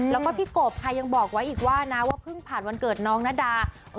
แล้วก็พี่กบค่ะยังบอกไว้อีกว่านะว่าเพิ่งผ่านวันเกิดน้องนาดา